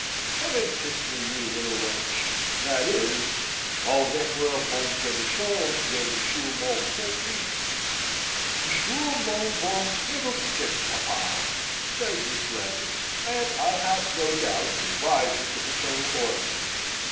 "Come and kiss me, you little wench that is, avec la bonne permission de monsieur mon beau fils." "Monsieur mon beau fiddlestick, papa!" says Miss Lambert, and I have no doubt complies with the paternal orders.